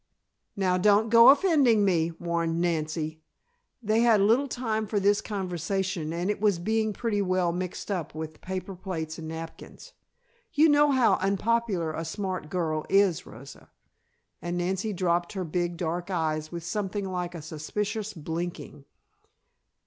"Now don't go offending me," warned Nancy. They had little time for this conversation and it was being pretty well mixed up with paper plates and napkins. "You know how unpopular a smart girl is, Rosa," and Nancy dropped her big dark eyes with something like a suspicious blinking.